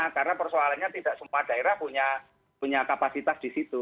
karena persoalannya tidak semua daerah punya kapasitas di situ